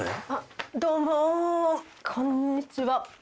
どうもこんにちは。